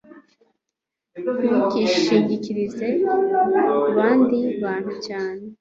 ntukishingikirize kubandi bantu cyane